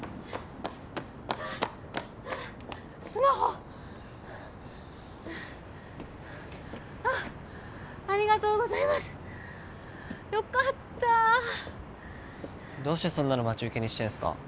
はあはあスマホあっありがとうございますよかったどうしてそんなの待ち受けにしてんすか？